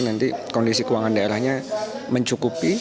nanti kondisi keuangan daerahnya mencukupi